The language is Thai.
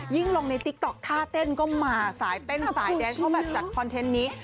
ลงในติ๊กต๊อกท่าเต้นก็มาสายเต้นสายแดนเข้ามาจัดคอนเทนต์นี้